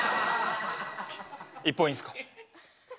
一本いいすか？